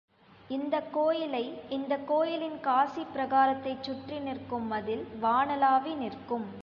இந்தக் கோயிலை, இந்தக் கோயிலின் காசிப் பிரகாரத்தைச் சுற்றி நிற்கும் மதில் வானளாவி நிற்கும்.